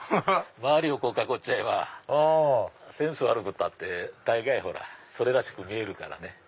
周りを囲っちゃえばセンス悪くったって大概それらしく見えるからね。